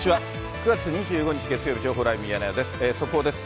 ９月２５日月曜日、情報ライブミヤネ屋です。